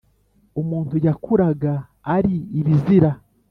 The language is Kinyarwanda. Umuntu yakuraga azi ibizira